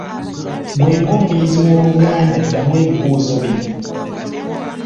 Ggwe ng'omuyizi w'Oluganda ddamu ebibuzo bino.